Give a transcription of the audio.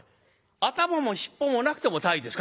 頭も尻尾もなくても鯛ですか？」。